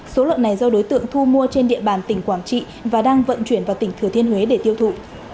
số lợn này do đối tượng thu mua trên địa bàn tỉnh quảng trị và đang vận chuyển vào tỉnh thừa thiên huế để tiêu thụ